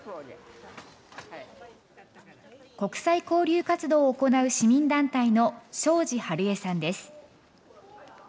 国際交流活動を行う市民団体の庄司春江さんです。